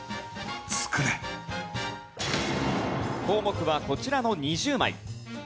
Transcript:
項目はこちらの２０枚。